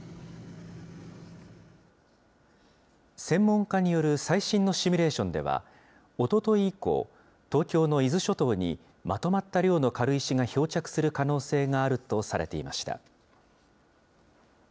専門家による最新のシミュレーションでは、おととい以降、東京の伊豆諸島にまとまった量の軽石が漂着する可能性があるとされていました。